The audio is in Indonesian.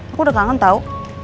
aku udah kangen tau